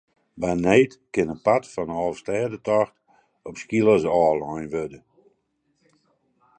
By need kin in part fan de Alvestêdetocht op skeelers ôflein wurde.